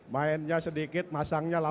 mainnya sedikit masangnya lama